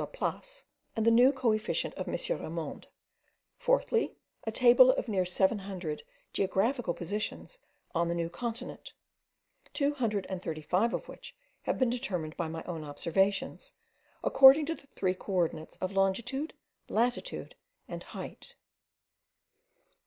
Laplace, and the new co efficient of M. Ramond; fourthly, a table of near seven hundred geographical positions on the New Continent; two hundred and thirty five of which have been determined by my own observations, according to the three co ordinates of longitude, latitude, and height.